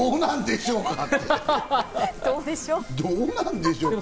どうなんでしょうか？